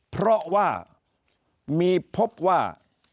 เพราะว่ามีพบว่า